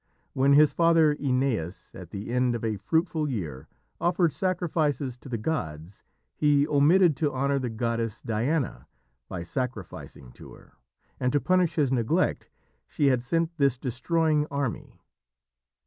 When his father Œneus, at the end of a fruitful year, offered sacrifices to the gods, he omitted to honour the goddess Diana by sacrificing to her, and to punish his neglect, she had sent this destroying army.